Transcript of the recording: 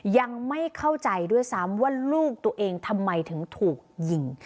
ยังไม่เข้าใจด้วยซ้ำว่าลูกตัวเองทำไมถึงถูกยิง